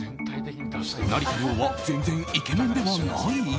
成田凌は全然イケメンではない？